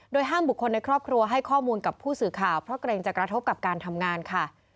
ห้ามบุคคลในครอบครัวให้ข้อมูลกับผู้สื่อข่าวเพราะเกรงจะกระทบกับการทำงานค่ะ